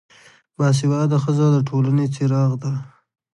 با سواده ښځه دټولنې څراغ ده